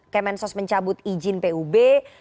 kemensos mencabut izin pub